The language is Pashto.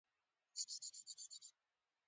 تاریخي پېښې د بنسټونو برخلیک ټاکي.